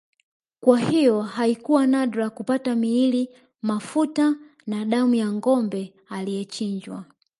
Kwa hiyo haikuwa nadra kupaka miili mafuta na damu ya Ngombe aliyechinjwa